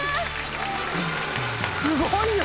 すごいよ！